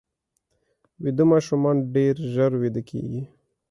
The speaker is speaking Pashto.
ویده ماشومان ډېر ژر ویده کېږي